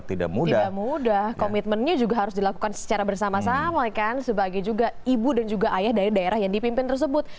tidak mudah komitmennya juga harus dilakukan secara bersama sama kan sebagai juga ibu dan juga ayah dari daerah yang dipimpin tersebut